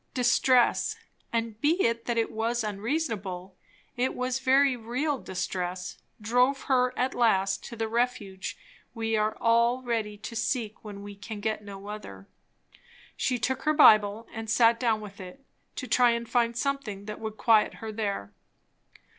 Distress, and be it that it was unreasonable, it was very real distress, drove her at last to the refuge we all are ready to seek when we can get no other. She took her Bible and sat down with it, to try to find something that would quiet her there.